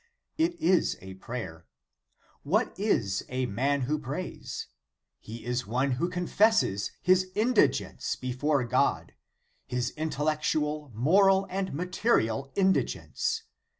It is a prayer. What is a man who prays? He is one who confesses his indigence before o God; his intellectual, moral, and material indigence.